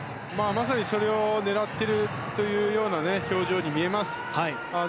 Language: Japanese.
まさにそれを狙っているという表情に見えます。